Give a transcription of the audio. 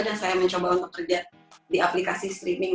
dan saya mencoba untuk kerja di aplikasi streaming